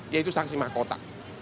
yaitu saksi mahakota